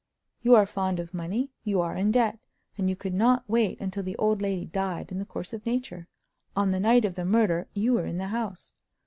You are fond of money; you are in debt, and you could not wait until the old lady died in the course of nature. On the night of the murder you were in the house."